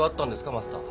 マスター。